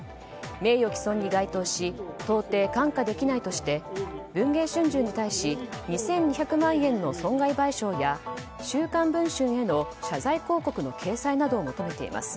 名誉毀損に該当し到底看過できないとして文藝春秋に対し２２００万円の損害賠償や「週刊文春」への謝罪広告の掲載などを求めています。